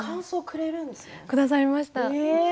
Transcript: くださいました。